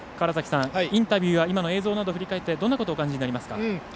インタビューや今の映像などを振り返ってどんなことお感じになりましたか。